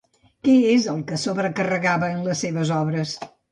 Què és el que sobrecarregava en les seves obres?